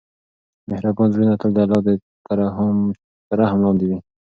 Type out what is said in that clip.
مهربان زړونه تل د الله تر رحم لاندې وي.